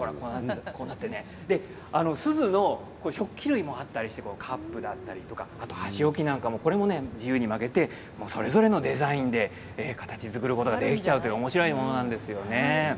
すずの食器類もあったりしてカップであったり箸置きも自由に曲げてそれぞれのデザインで形作ることができちゃうおもしろいものなんですよね。